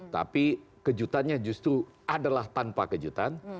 tapi kejutannya justru adalah tanpa kejutan